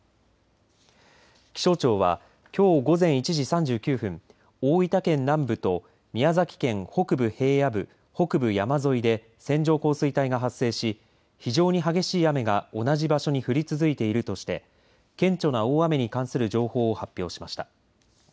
気象庁は、きょう午前１時３９分大分県南部と宮崎県北部、平野部北部山沿いで線状降水帯が発生し非常に激しい雨が同じ場所に降り続いているとして顕著な大雨に関する情報を発表しました。